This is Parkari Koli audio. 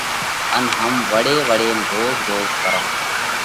ان ھم وۯي وۯينَ روز روز ڪرونھ۔